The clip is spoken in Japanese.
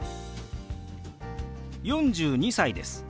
４２歳です。